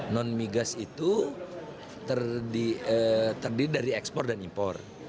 non migas itu terdiri dari ekspor dan impor